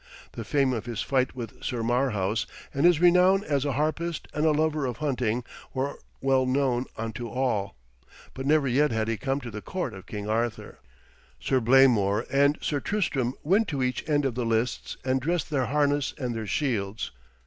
The fame of his fight with Sir Marhaus, and his renown as a harpist and a lover of hunting, were well known unto all; but never yet had he come to the court of King Arthur. Sir Blamor and Sir Tristram went to each end of the lists and dressed their harness and their shields.